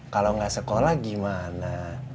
kalau gak sekolah gimana